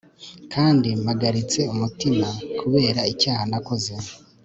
kandi mpagaritse umutima kubera icyaha nakoze